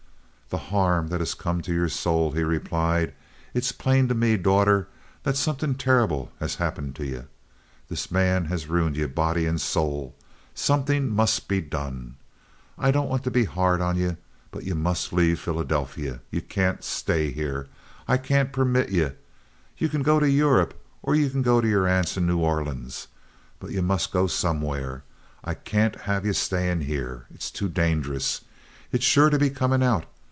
"The harm that has come to yer soul!" he replied. "It's plain to me, daughter, that somethin' terrible has happened to ye. This man has ruined ye, body and soul. Somethin' must be done. I don't want to be hard on ye, but ye must leave Philadelphy. Ye can't stay here. I can't permit ye. Ye can go to Europe, or ye can go to yer aunt's in New Orleans; but ye must go somewhere. I can't have ye stayin' here—it's too dangerous. It's sure to be comin' out.